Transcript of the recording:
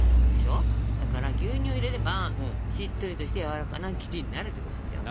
だから牛乳入れればしっとりとしてやわらかな生地になるということですよ。